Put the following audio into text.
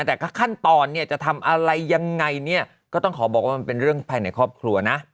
แต่ขั้นตอนเนี่ยจะทำอะไรยังไงเนี่ยก็ต้องขอบอกว่ามันเป็นเรื่องภายในครอบครัวนะ